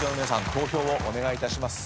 投票をお願いいたします。